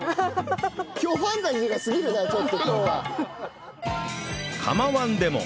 今日ファンタジーが過ぎるなちょっと今日は。